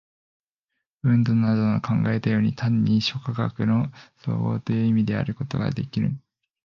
ヴントなどの考えたように、単に諸科学の綜合という意味であることができぬ。